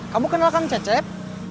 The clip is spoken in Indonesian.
kamu kenal kang cecep